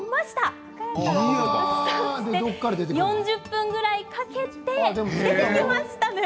４０分ぐらいかけて出てきましたね。